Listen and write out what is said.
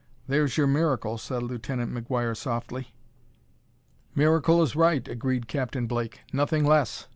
"There's your miracle," said Lieutenant McGuire softly. "Miracle is right," agreed Captain Blake; "nothing less!